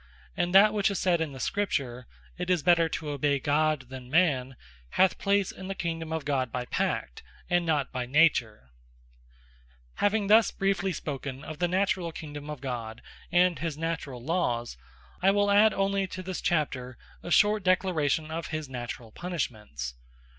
And that which is said in the Scripture, "It is better to obey God than men," hath place in the kingdome of God by Pact, and not by Nature. Naturall Punishments Having thus briefly spoken of the Naturall Kingdome of God, and his Naturall Lawes, I will adde onely to this Chapter a short declaration of his Naturall Punishments.